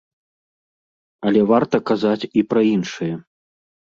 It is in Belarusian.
Але варта казаць і пра іншае.